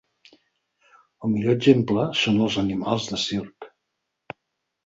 El millor exemple són els animals de circ.